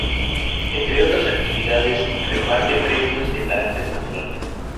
Entre otras actividades reparte premios de carácter cultural.